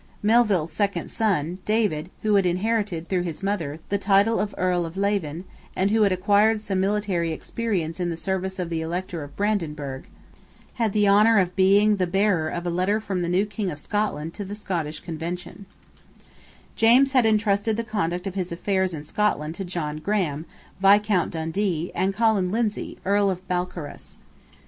Melville's second son, David, who had inherited, through his mother, the title of Earl of Leven, and who had acquired some military experience in the service of the Elector of Brandenburg, had the honour of being the bearer of a letter from the new King of England to the Scottish Convention, James had intrusted the conduct of his affairs in Scotland to John Graham, Viscount Dundee, and Colin Lindsay, Earl of Balcarras.